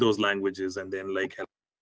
dan kemudian itu akan menjadi lebih baik